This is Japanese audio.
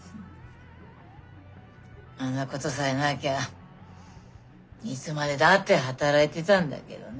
あんなことさえなきゃいつまでだって働いてたんだけどね。